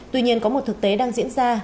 tuy nhiên có một thực tế đang diễn ra